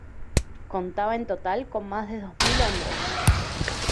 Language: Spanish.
Contaba en total con más de dos mil hombres.